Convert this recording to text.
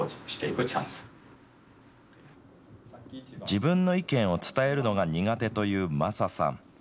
自分の意見を伝えるのが苦手というまささん。